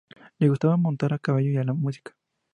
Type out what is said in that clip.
Le gustaba montar a caballo y la música.